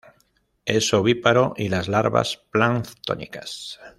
Es ovíparo y las larvas planctónicas.